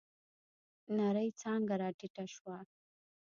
نرۍ څانگه راټيټه شوه.